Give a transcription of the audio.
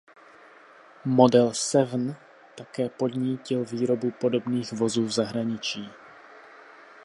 Model "Seven" také podnítil výrobu podobných vozů v zahraničí.